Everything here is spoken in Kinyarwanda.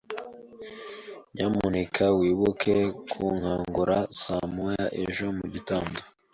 Nyamuneka wibuke kunkangura saa moya ejo mugitondo.